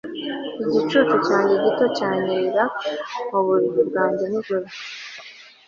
igicucu cyanjye gito cyanyerera mu buriri bwanjye nijoro